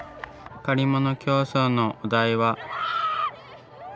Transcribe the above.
借り物競争のお題は。